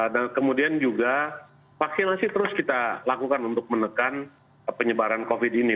dan kemudian juga vaksinasi terus kita lakukan untuk menekan penyebaran covid ini